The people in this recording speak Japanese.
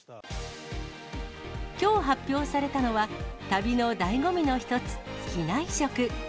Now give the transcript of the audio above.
きょう発表されたのは、旅のだいご味の一つ、機内食。